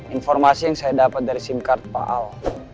informasi yang saya dapat dari sim card pak al